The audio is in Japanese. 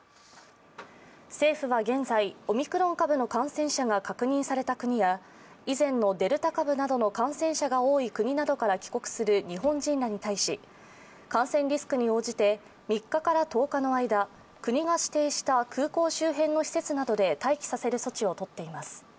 政府は現在、オミクロン株の感染者が確認された国や以前のデルタ株などの感染者が多い国などから帰国する日本人らに対し、感染リスクに応じて３日から１０日の間、国が指定した空港周辺の施設などで待機させる措置を取っています。